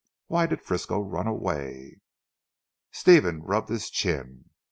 Why did Frisco run away?" Stephen rubbed his chin.